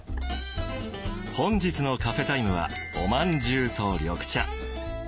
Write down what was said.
本日のカフェタイムはおまんじゅうと緑茶。